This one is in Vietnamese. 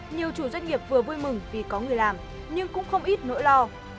nhiều chủ doanh nghiệp vừa vui mừng vì có người làm nhưng cũng không ít nỗi lo